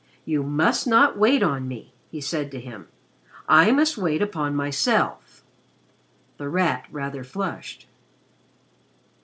"You must not wait on me," he said to him. "I must wait upon myself." The Rat rather flushed.